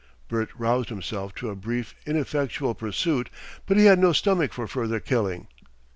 Bert roused himself to a brief ineffectual pursuit, but he had no stomach for further killing.